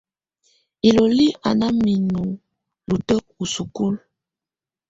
Ilolí a ná minu lutǝ́kǝ u isukúlu.